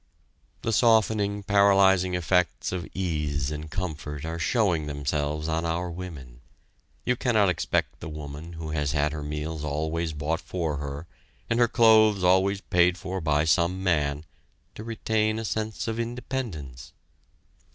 The softening, paralyzing effects of ease and comfort are showing themselves on our women. You cannot expect the woman who has had her meals always bought for her, and her clothes always paid for by some man, to retain a sense of independence.